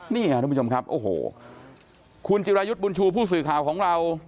นี่ค่ะทุกผู้ชมครับโอ้โหคุณจิรายุทธ์บุญชูผู้สื่อข่าวของเรา